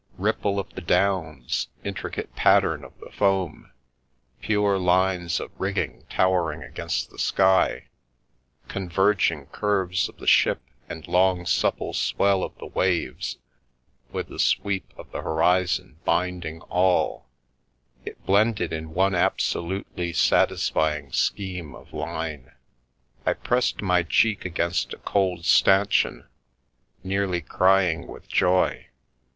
Ripple of the .downs, intricate pattern of the foam, pure lines of rigging towering against the sky, converging curves of the ship and long supple swell of the waves, with the sweep of the horizon binding all — it blended in one absolutely satisfying scheme of line. I pressed my cheek against a cold stanchion, nearly crying with joy.